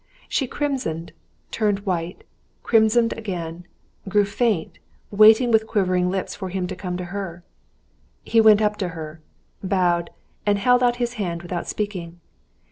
She crimsoned, turned white, crimsoned again, and grew faint, waiting with quivering lips for him to come to her. He went up to her, bowed, and held out his hand without speaking.